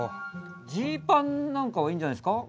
ジーパンなんかはいいんじゃないですか？